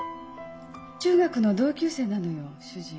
中学の同級生なのよ主人。